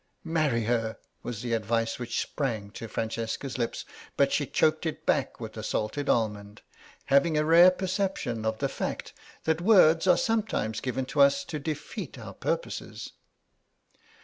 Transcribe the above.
"Marry her" was the advice which sprang to Francesca's lips, but she choked it back with a salted almond, having a rare perception of the fact that words are sometimes given to us to defeat our purposes.